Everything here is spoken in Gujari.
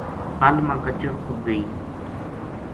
پل ما کچر کھُب گئی